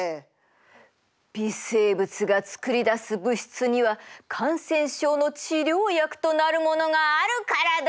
微生物が作り出す物質には感染症の治療薬となるものがあるからだ！